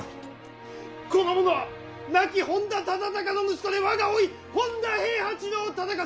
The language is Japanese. この者は亡き本多忠高の息子で我が甥本多平八郎忠勝！